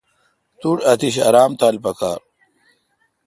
توٹھ اتش آرام تھال پکار۔